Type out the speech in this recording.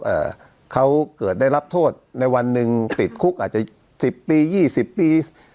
เอ่อเขาเกิดได้รับโทษในวันหนึ่งติดคุกอาจจะสิบปียี่สิบปี